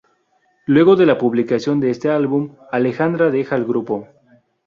Luego de la publicación de este álbum, Alejandra deja el grupo.